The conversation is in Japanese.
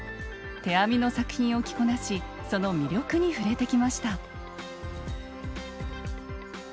手編みの作品を着こなしその魅力に触れてきました。